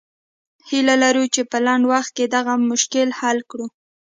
هیله لرو چې په لنډ وخت کې دغه مشکل حل کړو.